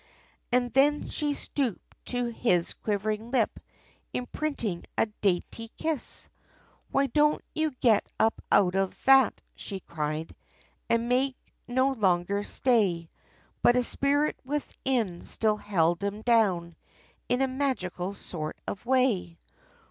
And then she stooped to his quivering lip, Imprinting a dainty kiss. "Why don't you get up out of that?" she cried, And make no longer stay. But a spirit within, still held him down, In a magical sort of way.